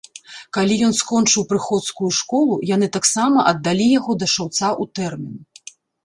Калі ён скончыў прыходскую школу, яны таксама аддалі яго да шаўца ў тэрмін.